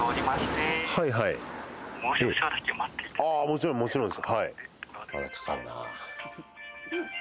もちろんですもちろんです。